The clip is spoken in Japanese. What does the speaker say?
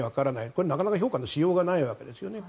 これはなかなか評価のしようがないわけですよね